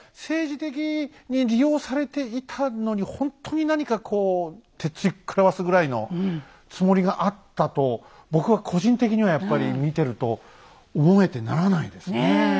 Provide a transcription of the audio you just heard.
もうその本当に何かこう鉄くらわすぐらいのつもりがあったと僕は個人的にはやっぱり見てると思えてならないですね。